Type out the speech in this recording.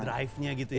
drivenya gitu ya